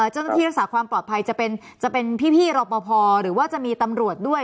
เจ้าหน้าที่รักษาความปลอดภัยจะเป็นพี่รอปภหรือว่าจะมีตำรวจด้วย